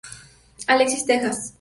Alexis Texas